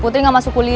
putri gak masuk kuliah